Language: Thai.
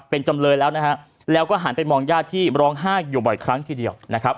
เป็นจำเลยแล้วนะฮะแล้วก็หันไปมองญาติที่ร้องไห้อยู่บ่อยครั้งทีเดียวนะครับ